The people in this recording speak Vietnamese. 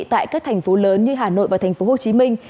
tại các thành phố lớn như hà nội và thành phố hồ chí minh